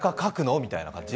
みたいな感じ？